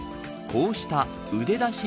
こうした腕出し